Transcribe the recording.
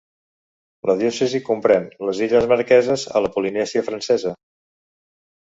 La diòcesi comprèn les illes Marqueses, a la Polinèsia francesa.